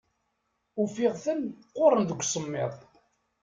Ufiɣ-ten qquren deg usemmiḍ.